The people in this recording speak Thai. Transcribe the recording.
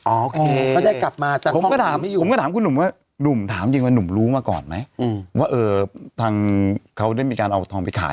อ๋อโอเคก็ได้กลับมาก็ถามคุณหนุ่มว่าหนุ่มถามจริงว่าหนุ่มรู้มาก่อนไหมว่า